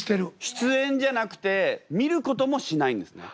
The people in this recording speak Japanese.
出演じゃなくて見ることもしないんですね。